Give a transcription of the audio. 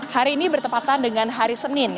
hari ini bertepatan dengan hari senin